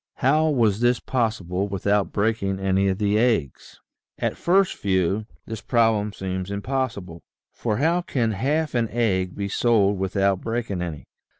How was this possible without breaking any of the eggs ? At first view, this problem seems impossible, for how can half an egg be sold without breaking any